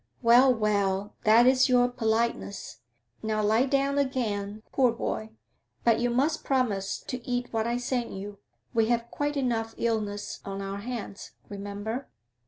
'Well, well; that is your politeness. Now lie down again, poor boy. But you must promise to cat what I send you; we have quite enough illness on our hands, remember.'